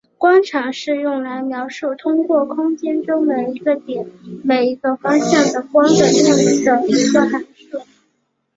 光场是用来描述通过空间中每一个点和每一个方向的光的量的一个函数。